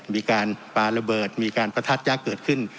มีการปาระเบิดมีการประทัดยักษ์เกิดขึ้น